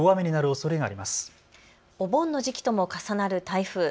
お盆の時期とも重なる台風。